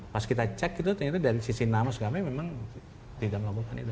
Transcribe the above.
pas kita cek itu ternyata dari sisi namas kami memang tidak melakukan itu